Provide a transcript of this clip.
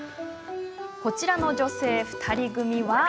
こちらの女性２人組は。